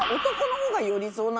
男のほうがより。